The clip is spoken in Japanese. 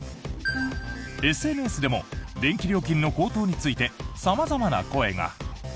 ＳＮＳでも電気料金の高騰について様々な声が。